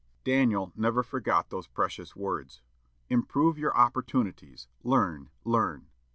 '" Daniel never forgot those precious words, "Improve your opportunities, learn, learn."